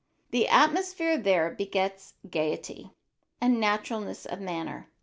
The atmosphere there begets gaiety and naturalness of manner.